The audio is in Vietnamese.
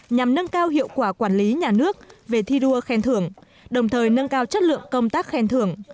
nhằm nâng cao hiệu quả quản lý nhà nước về thi đua khen thưởng đồng thời nâng cao chất lượng công tác khen thưởng